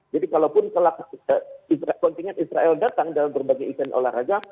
jadi kalaupun kontingen israel datang dalam berbagai acara olahraga